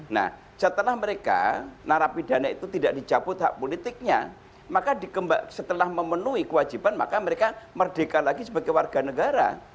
nah setelah mereka narapidana itu tidak dicabut hak politiknya maka setelah memenuhi kewajiban maka mereka merdeka lagi sebagai warga negara